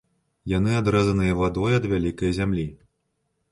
Яны адрэзаныя вадой ад вялікай зямлі.